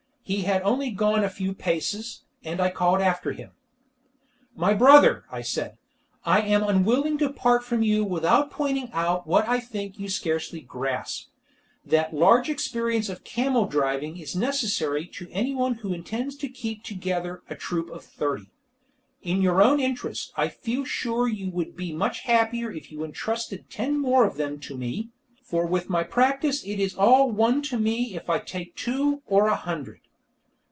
He had only gone a few paces, and I called after him. "My brother," I said, "I am unwilling to part from you without pointing out what I think you scarcely grasp, that large experience of camel driving is necessary to anybody who intends to keep together a troop of thirty. In your own interest, I feel sure you would be much happier if you entrusted ten more of them to me, for with my practice it is all one to me if I take two or a hundred."